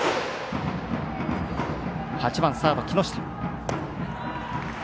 ８番サード、木下。